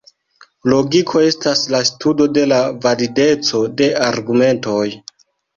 Logiko estas la studo de la valideco de argumentoj.